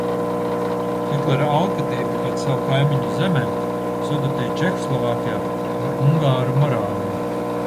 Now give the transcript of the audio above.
Hitlera alkatība pēc savu kaimiņu zemēm, Sudetiju Čehoslovākijā, ungāru Morāviju.